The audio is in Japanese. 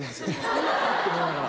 うわって思いながら。